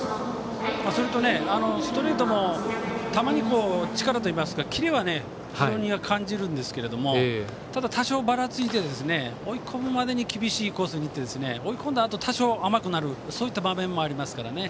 それと、ストレートも球に力というかキレは非常に感じるんですけどもただ、多少ばらついて追い込むまでに厳しいコースにいって追い込んだあと、多少甘くなるそういった場面もありますからね。